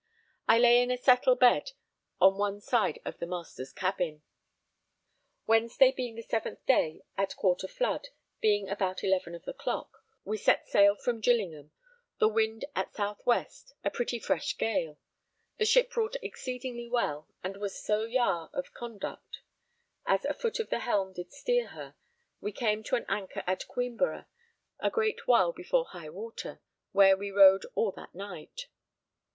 I lay in a settle bed on one side of the master's cabin. Wednesday being the 7th day, at quarter flood, being about eleven of the clock, we set sail from Gillingham, the wind at south west, a pretty fresh gale: the ship wrought exceedingly well and was so yare of conduct, as a foot of the helm did steer her: we came to an anchor at Queenborough a great while before high water, where we rode all that night.